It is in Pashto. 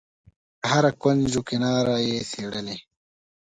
له هره کونج و کناره یې څېړلې.